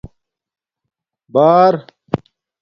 بار